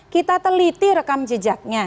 kita teliti rekam jejaknya